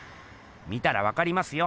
見たらわかりますよ！